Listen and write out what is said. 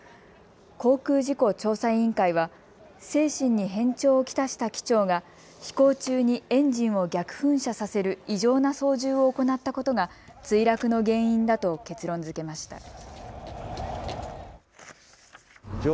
航空事故調査委員会は精神に変調を来した機長が飛行中にエンジンを逆噴射させる異常な操縦を行ったことが墜落の原因だと結論づけました。